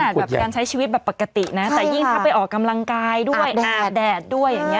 แบบการใช้ชีวิตแบบปกตินะแต่ยิ่งถ้าไปออกกำลังกายด้วยอาบแดดด้วยอย่างนี้